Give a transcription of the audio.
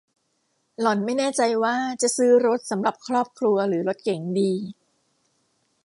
หล่อนไม่แน่ใจว่าจะซื้อรถสำหรับครอบครัวหรือรถเก๋งดี